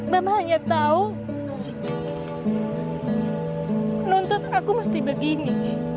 bapak hanya tahu menuntut aku mesti begini